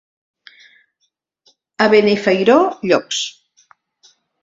A Benifairó, llops.